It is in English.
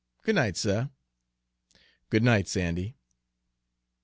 Good night, suh." "Good night, Sandy."